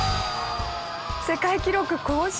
世界記録更新！